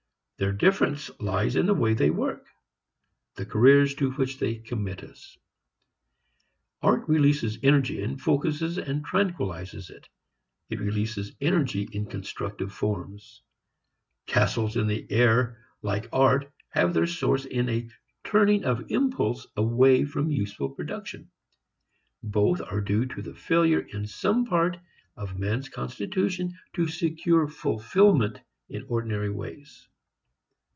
Their difference lies in the way they work, the careers to which they commit us. Art releases energy and focuses and tranquilizes it. It releases energy in constructive forms. Castles in the air like art have their source in a turning of impulse away from useful production. Both are due to the failure in some part of man's constitution to secure fulfilment in ordinary ways.